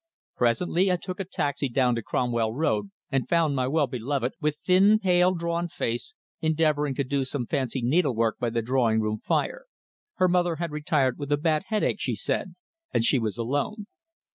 Presently, I took a taxi down to Cromwell Road and found my well beloved, with thin, pale, drawn face, endeavouring to do some fancy needlework by the drawing room fire. Her mother had retired with a bad headache, she said, and she was alone.